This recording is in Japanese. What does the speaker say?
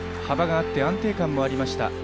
幅があって安定感もありました。